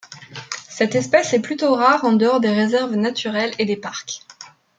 Cette espèce est plutôt rare en dehors des réserves naturelles et des parcs.